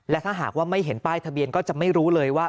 และถ้าหากว่าไม่เห็นป้ายทะเบียนก็จะไม่รู้เลยว่า